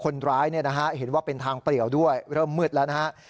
คนร้ายเห็นว่าเป็นทางเปลี่ยวด้วยเริ่มมืดแล้วนะฮะ